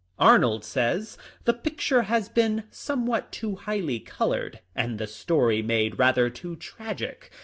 Arnold says :" The picture has been somewhat too highly colored, and the story made rather too tragic."